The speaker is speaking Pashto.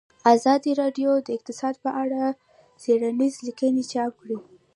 ازادي راډیو د اقتصاد په اړه څېړنیزې لیکنې چاپ کړي.